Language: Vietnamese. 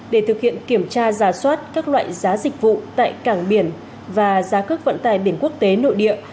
để thực hiện kiểm tra giả soát các loại giá dịch vụ tại cảng biển và giá cước vận tải biển quốc tế nội địa